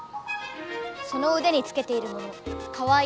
そのうでにつけているものかわいい。